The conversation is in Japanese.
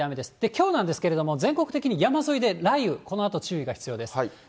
きょうなんですけれども、全国的に山沿いで雷雨、このあと注意が必要です。